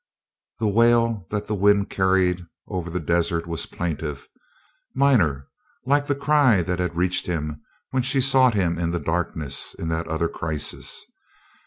The wail that the wind carried over the desert was plaintive, minor, like the cry that had reached him when she sought him in the darkness in that other crisis.